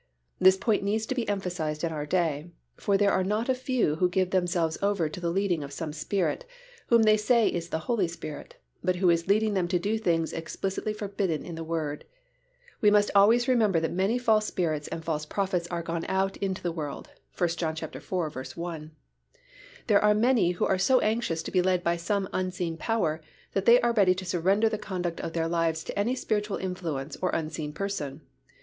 This point needs to be emphasized in our day, for there are not a few who give themselves over to the leading of some spirit, whom they say is the Holy Spirit, but who is leading them to do things explicitly forbidden in the Word. We must always remember that many false spirits and false prophets are gone out into the world (1 John iv. 1). There are many who are so anxious to be led by some unseen power that they are ready to surrender the conduct of their lives to any spiritual influence or unseen person.